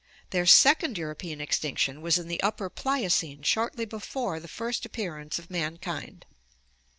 Their second European extinction was in the Upper Pliocene shortly before the first appearance of mankind.